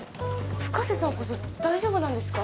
深瀬さんこそ大丈夫なんですか？